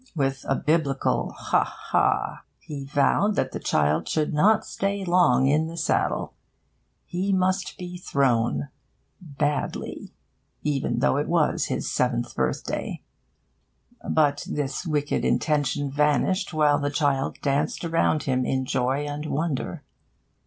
With a biblical 'ha, ha,' he vowed that the child should not stay long in saddle: he must be thrown badly even though it was his seventh birthday. But this wicked intention vanished while the child danced around him in joy and wonder.